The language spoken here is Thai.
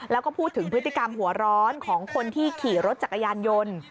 แล้วก็พูดถึงพฤติกรรมหัวร้อนของคนที่ขี่รถจักรยานยนต์